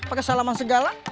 pake salaman segala